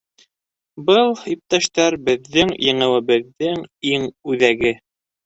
Был, иптәштәр, беҙҙең еңеүебеҙҙең иң үҙәге.